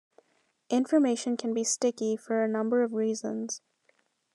Information can be sticky for a number of reasons.